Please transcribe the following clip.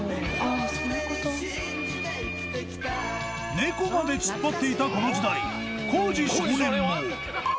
猫までツッパっていたこの時代耕司少年も。